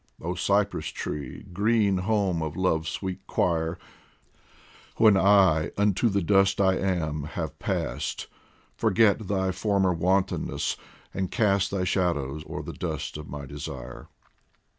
Oh Cypress tree ! green home of Love's sweet choir, POEMS FROM THE When I unto the dust I am have passed, Forget thy former wantonness, and cast Thy shadow o'er the dust of my desire.